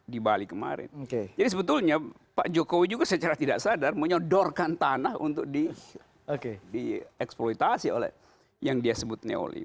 jadi sebetulnya pak jokowi juga secara tidak sadar menyodorkan tanah untuk dieksploitasi oleh yang dia sebut neolib